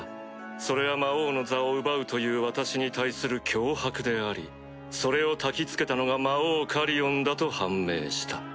それは魔王の座を奪うという私に対する脅迫でありそれをたきつけたのが魔王カリオンだと判明した。